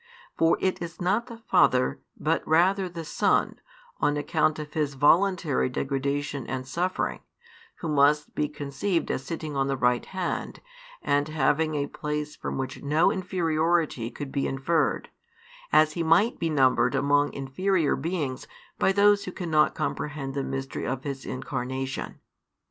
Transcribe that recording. For it is not the Father, but rather the Son, on account of His voluntary degradation and suffering, Who must be conceived as sitting on the right hand, and having a place from which no inferiority could be inferred, as He might be numbered among inferior beings by those who cannot comprehend the mystery of His Incarnation.